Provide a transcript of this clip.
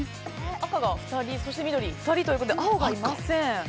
赤が２人そして緑が２人ということで青がいません。